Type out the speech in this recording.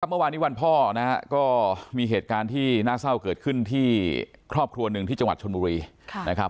เมื่อวานนี้วันพ่อนะฮะก็มีเหตุการณ์ที่น่าเศร้าเกิดขึ้นที่ครอบครัวหนึ่งที่จังหวัดชนบุรีนะครับ